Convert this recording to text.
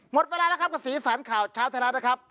หมดเวลาแล้วครับกับสีสันข่าวเช้าไทยรัฐนะครับ